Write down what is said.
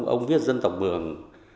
ông viết dân tộc mường